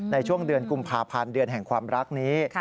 ในช่วงเดือนกุมภาพันธ์เดือนแห่งความรักนี้